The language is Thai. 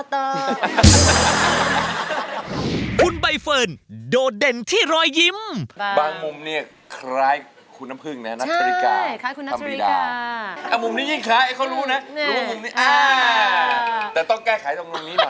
ตื่นเต้นอะเพราะว่าจะได้ใกล้พี่เบคกี้ฮ่า